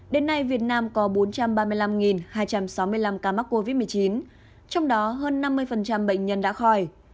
đến nay việt nam có bốn trăm ba mươi năm hai trăm sáu mươi năm ca mắc covid một mươi chín trong đó hơn năm mươi bệnh nhân đã khỏi